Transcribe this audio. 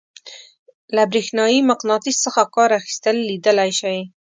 له برېښنايي مقناطیس څخه کار اخیستل لیدلی شئ.